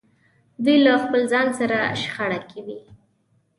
دوی له خپل ځان سره شخړه کې وي.